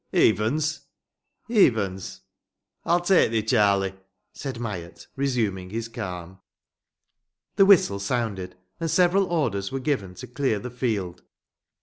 "Evens?" "Evens." "I'll take thee, Charlie," said Myatt, resuming his calm. The whistle sounded. And several orders were given to clear the field.